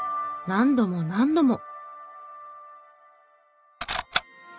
何度も何度も。